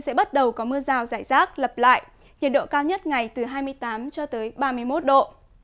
sẽ bắt đầu có mưa rào rải rác lập lại nhiệt độ cao nhất ngày từ hai mươi tám cho tới ba mươi một độ